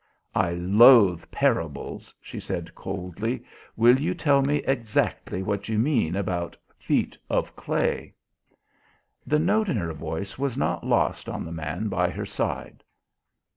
"I loath parables," she said coldly. "Will you tell me exactly what you mean about feet of clay?" The note in her voice was not lost on the man by her side.